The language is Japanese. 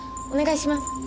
お願いします。